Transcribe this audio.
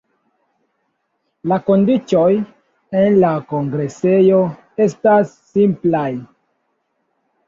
La kondiĉoj en la kongresejo estas simplaj.